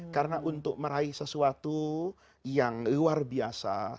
karena untuk meraih sesuatu yang luar biasa